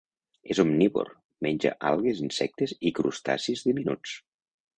És omnívor: menja algues, insectes i crustacis diminuts.